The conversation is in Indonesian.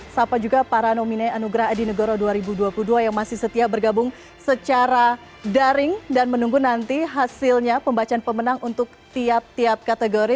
sapa juga para nomine anugerah adi negoro dua ribu dua puluh dua yang masih setia bergabung secara daring dan menunggu nanti hasilnya pembacaan pemenang untuk tiap tiap kategori